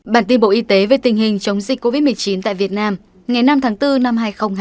bản tin bộ y tế về tình hình chống dịch covid một mươi chín tại việt nam ngày năm tháng bốn năm hai nghìn hai mươi